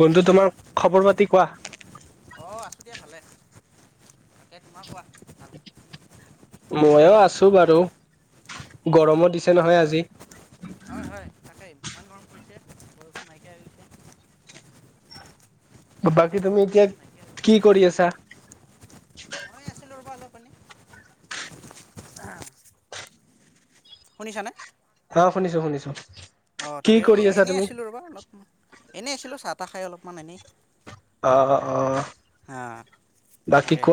কোনটো তোমাৰ খবৰ পাতি কোৱা। অ', আছোঁ দিয়া ভালে, এ তোমাৰ কোৱা। ভাল ভাল মইও তোমাৰ আছো বাৰু, অঁ গৰমো অঁ দিছে নহয় আজি। হয় হয় তাকে ইমান গৰম কৰিছে, বৰষুণ নাইকিয়া হৈ গৈছে। বাকী তুমি বৰষুণ এতিয়া বোলো নাইকিয়া হৈ কি কৰি আছা? [unintelligible] পানী শুনিছানে? অ', শুনিছো, শুনিছো। অ', কি তাকে কৰি এই আছা এনেই তুমি? আছিলোঁ ৰ'বা অলপ এনেই আছিলোঁ চা আটা খাই অলপমান এনেই। অ', অ', অ'। হা তাকে।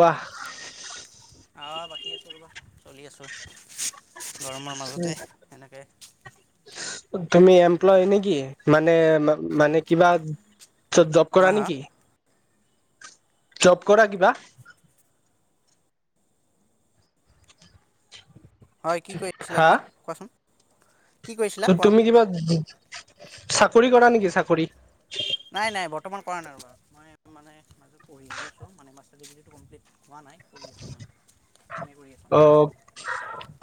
আহ বাকী আছোঁ ৰ'বা চলি আছোঁ। গৰমৰ মাজতে এনেক। তুমি এমপ্লয় নে কি মানে। মানে কিবা। চব জব হা কৰা হা নেকি? জপ কৰা কিবা? হয় কি কৰি আছিলা তুমি কোৱাচোন। কি কৰিছিলা ত কোৱা তুমি কিবা। চাকৰি কৰা নেকি চাকৰি। নাই নাই বৰ্তমান কৰা নাই বাৰু মই মানে পঢ়িয়ে আছোঁ মানে মাষ্টাৰ ডিগ্ৰীটো কমপ্লিট হোৱা নাই পঢ়ি আছোঁ মই। এম এ কৰি আছোঁ অহ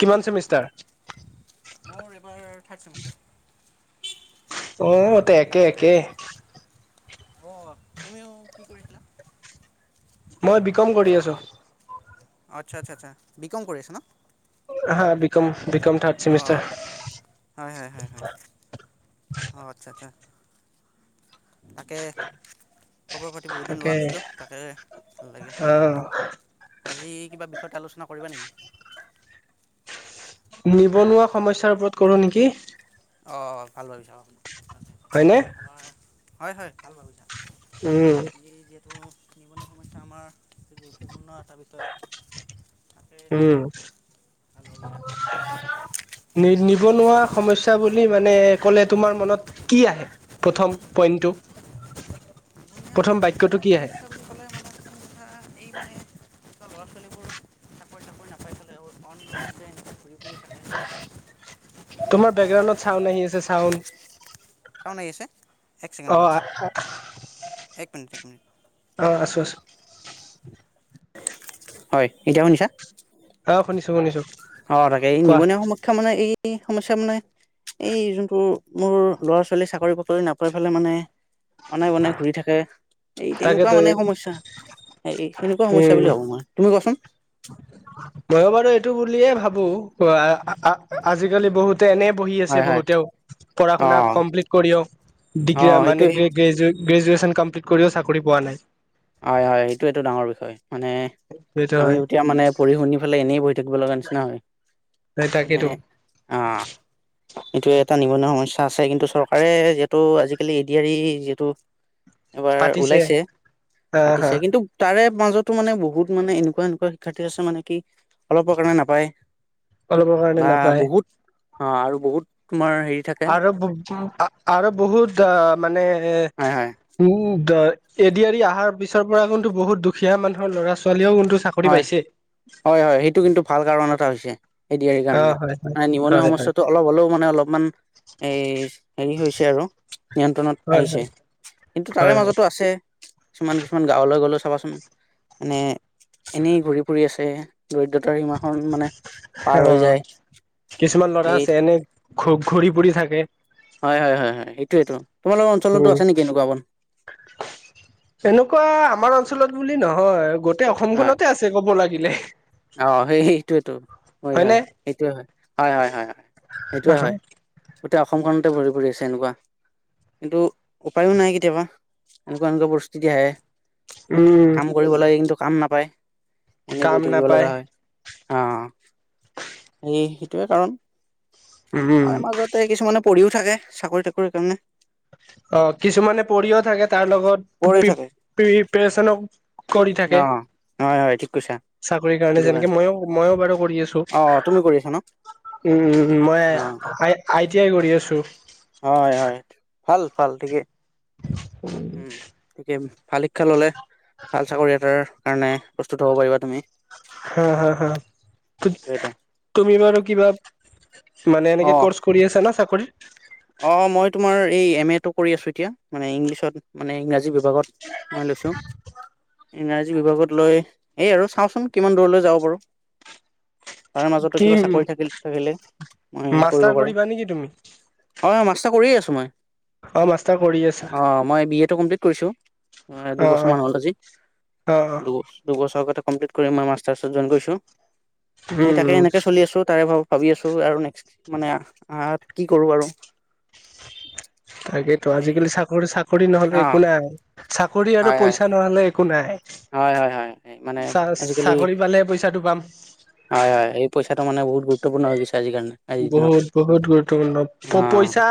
তুমি কিমান চেমিষ্টাৰ। মোৰ এইবাৰ থাৰদ ছেমিষ্টাৰ। অ ত একে একে। অহ তুমিও কি কৰি আছিলা। মই বিকম কৰি আছোঁ। আচ্ছা আচ্ছা আচ্ছা বিকম কৰি আছা ন। হা বিকম। বি কম থাৰ্ড অঁ চেমিষ্টাৰ। অ আচ্ছা আচ্ছা। এ। তাকে খবৰ পাতি বহুত দিন লোৱা তাকে নাছিলোঁ তাকে ভাল লাগিল। অ', আজি কিবা বিষয়ত আলোচনা কৰিবা নেকি? নিবনুৱা সমস্যাৰ ওপৰত কৰোঁ নেকি? অ ভাল লাগিছা অ। হয়নে? হয় হয় ভাল বাৰু। উম। ত' নিবনুৱা সময়স্যা আমাৰ গুৰুত্বপূৰ্ণ। তাৰ বিষয়ে তাকেই উম, ভাল ভাবিছা। নি নিবনুৱা সমস্যা মানে ক'লে তোমাৰ মনত কি আহে প্ৰথম পইন্ট টো। প্ৰথম নিবনুৱা বাক্যয়টো নিবনুৱা কি সমস্যা বুলি ক'লে মানে কিছুমান কথা এই আহে। মানে এতিয়া ল'ৰা ছোৱালীবোৰ চাকৰি চাকৰি নাপাই। পেলাই অনএমপ্লয়মেণ্ট ঘূৰি ফুৰি থাকে এইটো তোমাৰ এটা বেকগ্ৰাউণ্ডত চাউড আহি আছে চাউন। চাওনি আছে এক ছেকেণ্ডৰ পৰা এক মিনিট এক মিনিট অ', আছো আছো হয় এতিয়া শুনিছা অ শুনিছো শুনিছো অ তাকে এই কোৱা নিবনুৱা সমসক্ষা মানে এই কি সম চাম ন এই যোনটো মোৰ ল'ৰা ছোৱালী চাকৰি বাকৰি নাপাই ফেলে মানে অনেক অনেক ঘূৰি থাকে এই তেনেকুৱা তাকেতো মানে সমস্যা সেনেকুৱা সমস্যা বুলি ভব মই তুমি কচোন গবাৰ টো বুলে ভাবো আজালি বহুত এনেই বহি আছে হয় হয় বহুতেও পঢ়া অ শুনা কমপ্লিট কৰিক অ ডিগ্ৰী মানে সেইটোৱেই গ্ৰেজুৱেট গ্ৰেজুৱে্চন কমপ্লিট কৰিও চাকৰি পোৱা নাই হয় হয় এইটো এইটো ডাঙৰ বিষয় মানে সেইটো আমি হয় এতিয়া মানে পঢ় শুনি পেলে এনেই বহ থাকিব লগা নিচিনা হয় ন তাকেইতো অ এইটোয়ে এটা নিবনুৱা সমস্যা আছে কিন্তু চৰকাৰে যিহেতু আজিকালি এডিৰি যিহেতু এবাৰ পাতিছে ওলাইছে আহ হা পাতিছে কিন্তু তাৰে মাজত মানে বহুত মানে এনেকুৱা এনেকুৱা শিক্ষ্থ আছে মানে কি অলপৰ কাৰণে নাপায় অলপৰ কাৰণে বা নাপায় বহুত অ আৰু বহুত তোমাৰ হেৰি থাকে আৰু আৰু বহুত মানে হয় হয় উম এড এৰি অহাৰ পিছৰ পৰা কিন্তু বহুত দুখীয়া মানুহৰ ল'ৰা ছোৱালীও কিন্তু চাকৰি হয় পাইছে হয় হয় সেইটো কিন্তু ভাল কাৰণ এটা হৈছে ত এ অ কাৰণে হয় হয় মানে নিমনা হয় হয় সমস্যাটো অলপ হলেও মানে অলপমান এই হেৰি হৈছে আৰু নিয়ন্ত্ৰণত হয় আহিছে হয় কিন্তু তাৰে হয় হয় মাজতো আছে কিছুমান কিছুমান গাঁৱলৈ গ'লে চাবাচোন মনেে এনেই ঘূৰি ফুৰি আছো তে দৰিদ্ৰতাৰ সীমাখন মানে অ পাৰ হৈ যায় এই ঘুব ঘূৰি পৰিু থাকে হয় হয় হয় হয় এইটোয়টো উম এনেকুৱা আমাৰ অঞ্চলত বুলি ন হয় গ হয় অসমখনতে আছে ক'ব লাগিব [inaudible] অ সেই সটোয়টো হয় হয়নে সেইটোৱে হয় হয় হয় হয় সেইটোয়ে হয় গোটেই অসমখন ভৰি পৰি আছে এনেকুৱা কিন্তু উপায়ো নাই কেতিয়াবা এনেকুৱা এনেকুৱা পৰিস্থিতি আহে উম কাম কৰিব লাগে কিন্তু কাম নাপায় এনে ব কাম থাকিব নাপায় লগা হয় অ এই সেইটোৱে কাৰণ উম তাৰে মাজতে কিছুমানে পঢ়িও থাকে চাকৰি তাকৰিৰ কাৰণে অ কিছুমানে পঢ়িও থাকে তাৰ লগত পঢ়ি থাকে প্ৰিপৰেচন কৰি থাকে অ হয় হয় ঠিক কৈছা চাকৰি কাৰণে যেনেকে মইো মইো বাৰু কৰি আছো অ তুমি কৰি আছা ন উম মই অ আ আই টি আই কৰি আছো হয় হয় ভাল ভাল ঠিকে উম তাকে ভাল শিক্ষা ললে ভাল চাকৰি এটাৰ কাৰণে প্ৰস্তুত হ'ব পাৰিবা তুমি হা হা হা এইটোৱেটো তুমি বাৰু কিবা মানে এনেকে ক'ৰ্চ কৰি আছা না চাকৰিৰ অ অ মই তোমাৰ এই এম এ টো কৰি আছো এতিয়া মানে ইংলিছত মানে ইংৰাজী ‌ বিভাগত মই লৈছোঁ ইংৰাজী বিভাগত লৈ এই আৰু চাওঁচোন কিমান দূৰলৈ যাব পাৰো তাৰ মাজতো কি কিবা চাকৰি থাকিল থাকিলে মই কৰিব মাষ্টাৰ পাৰো কৰিবা নেকি তুমি অ মাষ্টাৰ কৰিয়ে আছো মই অ মাষ্টাৰ কৰি আছা কৈছো অ অ দুবছৰ অ মান হ'ল আজি অ অ দুবছৰ দুবছৰ আগতে কমপ্লিট কৰি আমাৰ মাষ্টাৰচত জ‌ইন কৰিছো সেই উম তাকে উম এনেকে চলি আছো তাৰে ভাৰ ভাবি আছোঁ আৰু নেক্সট মানে আ কি কৰোঁ আৰু [unintelligible] তাকেইেতো এই আজিকালি চাকৰি চাকৰি নহলে অ একো নাই চা [unintelligible] আৰু হয় পইচা নহ'লে একো নাই হয় হয় হয় মানে চা আজিকালি চাকৰি পালেহে পইচাটো পাম হয় হয় এই পইচাটো মানে বহুত গুৰুত্বপূৰ্ণ হৈ গৈছে আজি কাৰণে আজিৰ দিনত বহুত বহুত গুৰুত্বপূৰ্ণ অ পইচা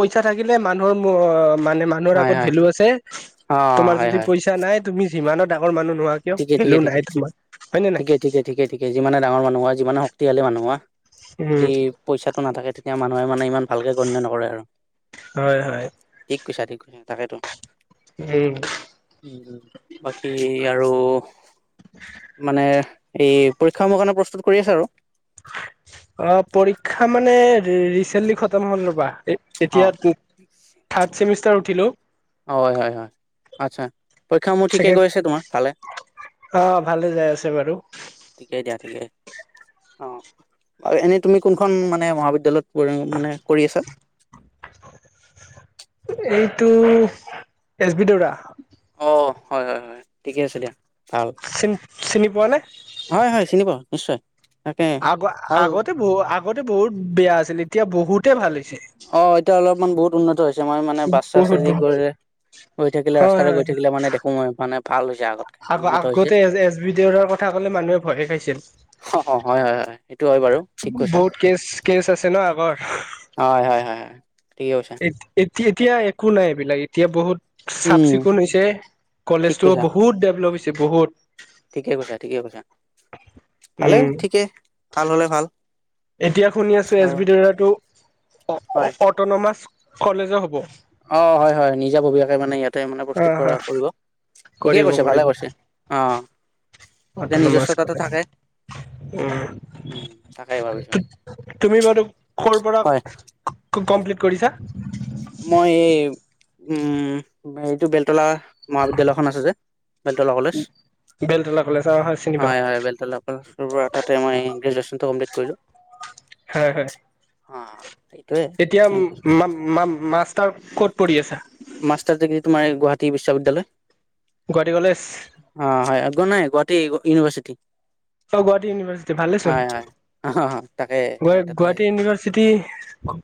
পইচা থাকিলে মানুহৰ মানে মানুহৰ হয় আগত হয় ভেলু আছে অ তোমাৰ হয় যদি হয় পইচা নাই তুমি যিমানো ডাঙৰ মানুহ নোহোৱা কিয় ঠিকে ভেলু ঠিকে নাই ঠিকে তোমাৰ হয়নে নাই ঠিকে ঠিকে ঠিকে ঠিকে যিমানে ডাঙৰ মানুহ হোৱা যিমানে শক্তিশালী মানুহ হোৱা যদি উম পইচাটো নাথাকে তেতিয়া মানুহে মানে ইমান ভালকে গণ্য নকৰে আৰু হয় হয় ঠিক কৈছা ঠিক কৈছা তাকেতো উম উম বাকি আৰু মানে এই পৰীক্ষাসমূৰ কাৰণে প্ৰস্তুত কৰি আছা আৰু [unintelligible] অহ পৰীক্ষা মানে ৰিচেন্টলি খতম হ'ল ৰবা অ এতিয়া থাৰ্ড চেমিষ্টাৰ উঠিলোঁ হয় হয় হয় আচ্ছা পৰীক্ষা সমূহ ঠিকে ছেকেণ্ড গৈছে তোমাৰ ভালে অ ভালে যাই আছে বাৰু [inaudible] ঠিকেই দিয়া ঠিকে অ আৰু এনেই তুমি কোনখন মানে মহাবিদ্যালয়ত [unintelligible] মানে কৰি আছা এইটো এছ বি দেওৰা অ হয় হয় হয় ঠিকে আছে দিয়া ভাল চিনি চিনি পোৱা নে হয় হয় চিনি পাও নিশ্চয় তাকে [unintelligible] ভাল আগতে বহু আগতে বহুত বেয়া আছিল এতিয়া বহুত বহুতেই ভাল [unintelligible] অ এতিয়া অলপমান বহুত উন্নত হৈছে মই মানে বাছ চাচ বহুত যদি বহুত গৈ গৈ থাকিলে হয় ৰাস্তাতে হয় গৈ থাকিলে মানে দেখো মই মানে ভাল [unintelligible] আগ উন্নত হৈছে আগতে এছ বি দেওৰাৰ কথা কলে মানুহে ভয়ে খাইছিল অ অ হয় হয় হয় সেইটো হয় বাৰু ঠিক কৈছা বহুত কেচ কেচ আছে ন আগৰ হয়-হয় -হয় - হয় ঠিকে কৈছে। এতিয়া একো নাই এইবিলাক এতিয়া বহুত, - চাফ- উম চিকুণ হৈছে ঠিক কলেজতো কৈছা বহুত ডেভলপ হৈছে। যে বহুত, ঠিকে কৈছা, ঠিকে কৈছা। ভালে উম, ঠিকে ভাল হলে ভাল এতিয়া শুনি আছো, এছ- আৰু বি- দেওৰাটো, অ 'অ হয় '- অতনমাচ, কলেজে হ'ব। অ' হয় -হয় নিজাববিয়াকে মানে ইয়াত, হা -হা, কৰিব কৈছে ভালে -কৰিব কৈছে অ তেতিয়া অটোনমাছ নিজস্বতাটো কলে, থাকে উম, উম তাকেই ভাবিছো তুমি বাৰু কৰ পৰা হয় কমপ্লিট, কৰিছা? মই এই উম, এইটো বেলতলা মহাবিদ্যালয়খন আছে যে, বেলতলা কলেজ। বেলতলা কলেজ অ চিনি পাওঁ হয় - হয় বেলতলা কলেজৰ পৰা তাতে মই গ্ৰেজুৱেচনটো কমপ্লিট কৰিলো। হয় হয় আঃ, এতিয়া মা - মা মাছ। তাৰ ক'ত পঢ়ি আছা? মাষ্টাৰ ডিগ্ৰী তোমাৰ এই গুৱাহাটী বিশ্ববিদ্যালয়। গুৱাহাটী কলেজ অ', হয়। একো নাই গুৱাহাটী, ইউনিভাৰ্চিটি। অ 'গুৱাহাটী ইউনিভাৰ্চিটি ভালেচোন। হয় হয় অ তাকে মই তাতে গুৱ-গুৱাহাটী ইউনিভাৰ্চিটি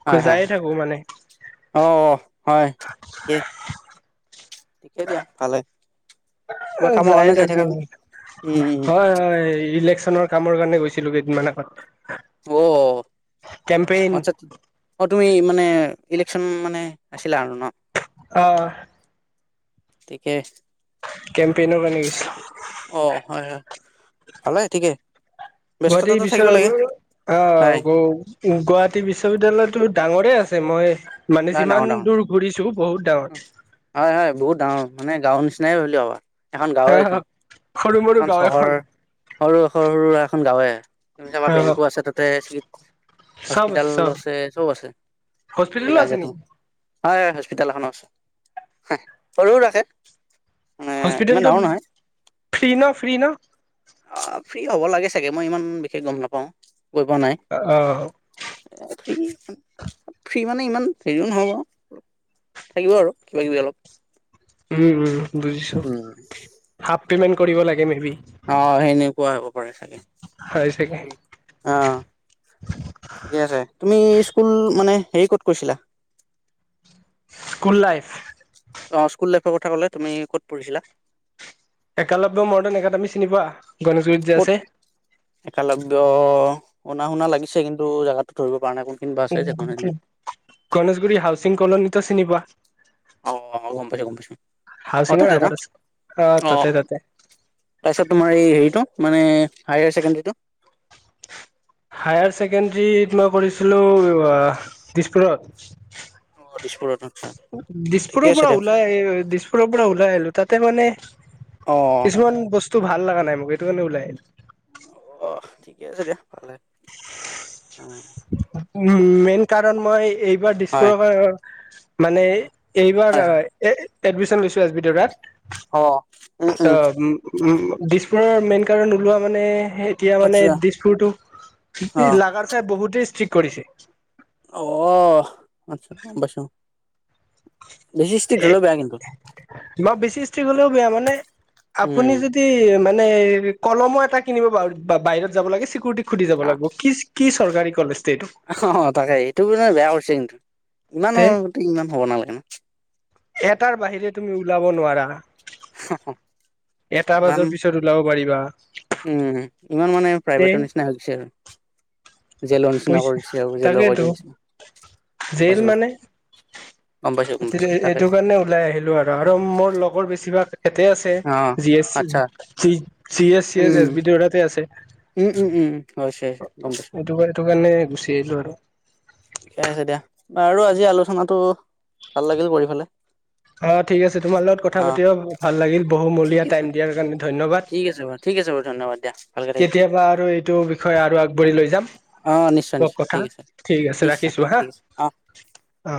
হয় হয় যায়ে হয় থাকো মানে,। অ হয় ঠিকে, [inaudible] ঠিকে দিয়া ভালে। কিবা কামৰ যাই কাৰণে থাকো থাকা উম উম হয় -হয় ইলেকচনৰ, কামৰ কাৰণে গৈছিলো কেইদিনমান আগত। অহহঃ কেম্পেইন আচ্ছা- অ' তুমি মানে, ইলেকচন মানে আছিল আৰু ন',। অহ, ' তিকে, কেম্পেইনৰ কাৰণে অ হয় হয় গৈছ? ভালে ঠিকে। গুৱাহাটী ব্যস্ততাটো থাকিব বিশ্ব লাগে অ' হয় নাই গুৱাহাটী বিশ্ববিদ্যালয়তো ডাঙৰে আছে, মই, মানে যিমান দূৰ ঘূৰিছো বহুত ডাঙৰ অ হয় হয় বহুত ডাঙৰ মানে গাঁওৰ নিচিনা [unintelligible] এখন গাঁওে এখন সৰু মৰু এখন গাঁও চহৰ সৰু সৰু এখন গাওৱে তুমি চাবা অ বেংকো আছে তাতে চিক চব হস্পিতেল চব আছে চব আছে যি হস্পিতেলো লাগে আছে নেকি তোমাক হয় হস্পিতেল এখনো হা সৰুও ৰাখে মানে ইমান হস্পিটেলটো ডাঙৰ নহয় ফ্ৰী ন ফ্ৰী ন অ' ফ্ৰী হ'ব লাগে চাগে মই ইমান বিশেষ গম নাপাওঁ গৈ পোৱা নাই অ ফ্ৰী ফ্ৰী মানে ইমান হেৰি নহ'ব থাকিব আৰু কিবাকিবি অলপ উম উম বুজিছো হাফ পেমেণ্ট কৰিব লাগে মে বি কোৱা হ'ব পাৰে চাগে হয় চাগে আহ ঠিকে আছে তুমি স্কুল মানে হেৰি কত কৈছিলা স্কুল লাইফ অ স্কুল লাইফৰ কথা কলে তুমি ক'ত পঢ়িছিলা একালব্য মৰ্ডাণ একাডেমী চিনি পোৱা গণেশগুৰিত যে ক'ত আছে একালব্য শুনা শুনা লাগিছে কিন্তু জেগাতো ধৰিব পৰা নাই ক উ গণেশগুৰি হাউচিং কলনী তো চিনি পোৱা অ গম পাইছো গম পাইছো অ হাউচিঙৰ তাতে না আগত আছে অ তাতে তাতে তাৰপিছত তোমাৰ এই হেৰিটো মানে হায়াৰ ছেকেণ্ডাৰীটো হায়াৰ ছেকেণ্ডৰীত মই কৰিছিলোঁ দিছপুৰত অ' দিছপুৰত ন দিছপুৰৰ পৰা ওলাই আহি দিছপুৰৰ পৰা ওলাই আহিলো তাতে মানে অ' কিছুমান বস্তু ভাল লগা নাই মোক এইটো কাৰণে ওলাই আহিলো অহ ঠিকে আছে দিয়া ভালে অ উ মেইন কাৰণ মই এইবাৰ হয় দিছপুৰৰ পাৰৰ মানে এইবাৰ হয় হয় এ এডমিশ্যন লৈছো এছ বি টৰাত হ উম উম দিছপুৰ মেইন কাৰণ ওলোৱা মানে এতিয়া মানে আচ্ছা অ দিছপুৰতটো লাগাৰ চাই বহুত ঠিক কৰিছে আহ আচ্ছা বছো বে ষ্টিক ল বেয়া কিন্তু ম বে ব ম আ উম য কলমো এটা কিনিবাৰ বাহিৰত যাব লাগে খুধি যাব লাগিব কি কি চৰকাৰী কলেজ অ তাকে এইটো ম বেয়া কৰিছে কিন্তু ইমানো তে ইমান হ'ব নালাগে ন এটাৰ বাহিৰে তুমি ওলাব নোৱাৰা হয় এটা ইমান বজাৰ পিছত ওলাব পাৰিবা হয় উম ইমান মানে প্ৰাইভেটৰ নিচিনা হৈ হৈছে আৰু জেলৰ নিচিনা পইচা কৰি দিছে আৰু জেলৰ কৰি তাকেতো দিয়া নিচিনা গম জেইল পাইছো মানে গম পাইছো গম পাইছো তাকে এইটো কাৰণে ওলাই আহিলো আৰু আৰু মোৰ লগৰ বেছিভাগ ইতে আছে অ জি এছি আচ্ছা G S C S S উম বি দৌৰাতে আছে উম উম উম অশয় গম পছো স কাৰণে গুচি আহিলো আৰু ঠিকে আছে দিয়া আৰু আজি আলোচনাটো ভাল লাগিল কৰি ফালে অ ঠিক আছে তোমাৰ লগত কথা পাতিব ভাল লাগিল ঠিক বহুমূলীয়া টাইম আছে দিয়াৰ কাৰণে ধন্যবাদ ঠিক আছে বাৰু ঠিক আছে বাৰু ধন্যবাদ দিয়া ভালকে থাকিবা কেতিয়াবা আৰু এইটো বিষয়ে আৰু আগবাঢ়ি লৈ যাম অ নিশ্চয় ক নিশ্চয় কথা ঠিক আছে ঠিক আছে নিশ্চয় ৰাখিছো হা ঠিক আছে অ অ